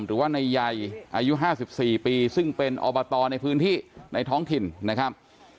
หรือว่าในใยอายุ๕๔ปีซึ่งเป็นอบตในพื้นที่ในท้องถิ่นนะครับ